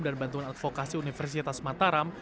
dan bantuan advokasi universitas mataram